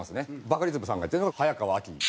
バカリズムさんがやってるのが早川アキ。